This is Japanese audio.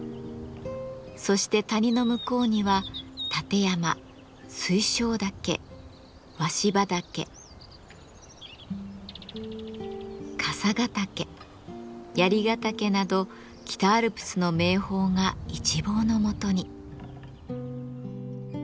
そして谷の向こうには立山水晶岳鷲羽岳笠ヶ岳槍ヶ岳など北アルプスの名峰が一望のもとに。